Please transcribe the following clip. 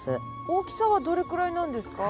大きさはどれくらいなんですか？